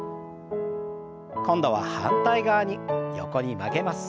今度は反対側に横に曲げます。